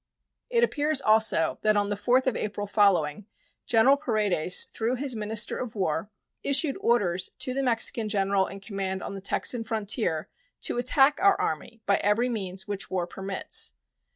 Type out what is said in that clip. It appears also that on the 4th of April following General Paredes, through his minister of war, issued orders to the Mexican general in command on the Texan frontier to "attack" our Army "by every means which war permits."